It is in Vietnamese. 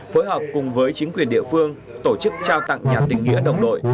phối hợp cùng với chính quyền địa phương tổ chức trao tặng nhà tình nghĩa đồng đội